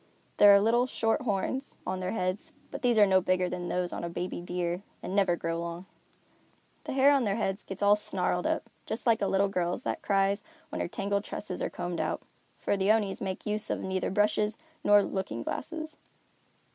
There are little, short horns on their heads, but these are no bigger than those on a baby deer and never grow long. The hair on their heads gets all snarled up, just like a little girl's that cries when her tangled tresses are combed out; for the Onis make use of neither brushes nor looking glasses.